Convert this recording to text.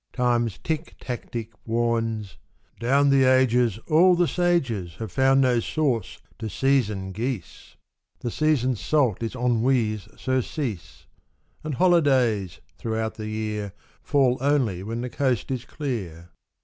Time's tick tactic Warns : "Down the ages all the sages Have found no sauce to season geese; 24 The season's salt is ennui's surcease; And holidays, throughout the year, Fall only when the coast is clear."